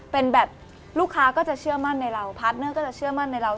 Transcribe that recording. เป็นแบบลูกค้าก็จะเชื่อมั่นในเราพาร์ทเนอร์ก็จะเชื่อมั่นในเรา